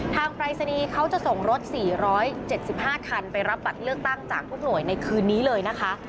ปรายศนีย์เขาจะส่งรถ๔๗๕คันไปรับบัตรเลือกตั้งจากทุกหน่วยในคืนนี้เลยนะคะ